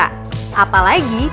apalagi pengguna dan penyelidikan